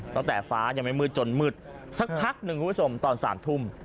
ฟ้ายังไม่มืดจนมืดสักพักหนึ่งคุณผู้ชมตอน๓ทุ่ม